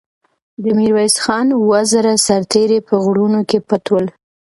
د میرویس خان اوه زره سرتېري په غرونو کې پټ ول.